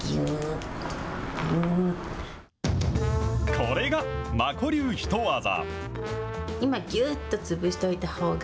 これがマコ流ヒトワザ。